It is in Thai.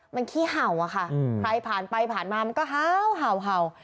มันขี้เห่าอะค่ะใครผ่านไปผ่านมามันก็เห่า